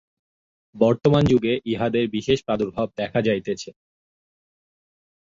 বর্তমান যুগে ইহাদের বিশেষ প্রাদুর্ভাব দেখা যাইতেছে।